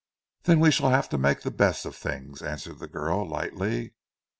"Then we shall have to make the best of things," answered the girl lightly.